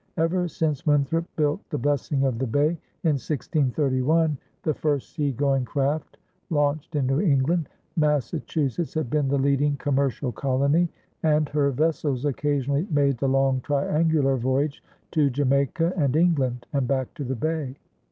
Ever since Winthrop built the Blessing of the Bay in 1631, the first sea going craft launched in New England, Massachusetts had been the leading commercial colony, and her vessels occasionally made the long triangular voyage to Jamaica, and England, and back to the Bay.